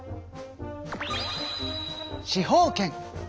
司法権。